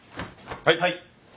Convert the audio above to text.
はい。